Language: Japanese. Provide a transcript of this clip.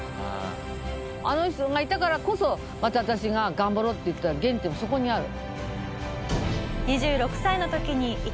あの人がいたからこそまた私が頑張ろうっていった原点がそこにある。